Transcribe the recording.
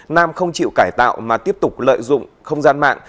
nam không chịu cải tạo mà tiếp tục lợi dụng không gian mạng